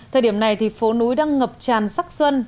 thời điểm này thì phố núi đang ngập tràn sắc xuân